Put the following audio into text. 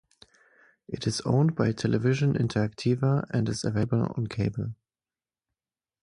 It is owned by 'Television Interactiva and is available on cable.